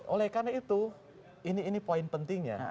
oleh karena itu ini poin pentingnya